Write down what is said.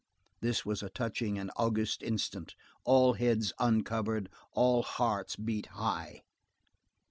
This was a touching and august instant, all heads uncovered, all hearts beat high.